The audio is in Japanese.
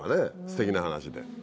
すてきな話で。